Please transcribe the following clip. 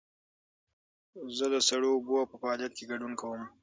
زه د سړو اوبو په فعالیت کې ګډون کوم.